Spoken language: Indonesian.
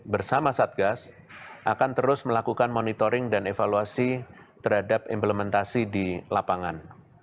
bersama satgas akan terus melakukan monitoring dan evaluasi terhadap implementasi di lapangan